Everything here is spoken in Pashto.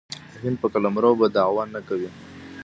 د هند په قلمرو به دعوه نه کوي.